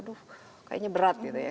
aduh kayaknya berat gitu ya